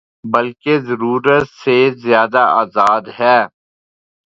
بلکہ ضرورت سے زیادہ آزاد ہے۔